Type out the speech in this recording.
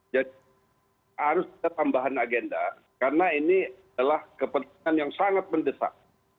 jadi harus kita tambahkan agenda karena ini adalah kepentingan yang sangat mendesak